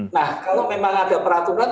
nah kalau memang ada peraturan